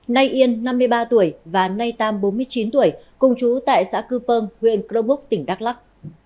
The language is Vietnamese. nay yen năm mươi ba tuổi và nay tam bốn mươi chín tuổi cùng chú tại xã cư phơng huyện krong búc tỉnh đắk lắc